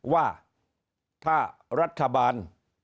ว่าถ้ารัฐบาล